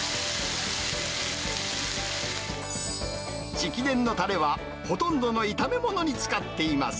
直伝のたれは、ほとんどの炒め物に使っています。